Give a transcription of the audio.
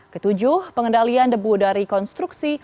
ketujuh pengendalian debu dari konstruksi